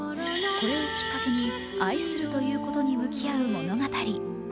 これをきっかけに愛するということに向き合う物語。